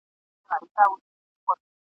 پېغلي ځي تر ښوونځیو ځوان مکتب لره روان دی ..